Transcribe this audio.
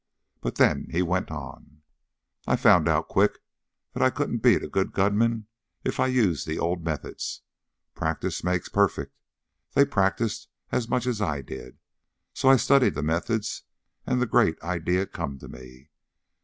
But then he went on. "I found out quick that I couldn't beat a good gunman if I used the old methods. Practice makes perfect; they practiced as much as I did. So I studied the methods and the great idea come to me.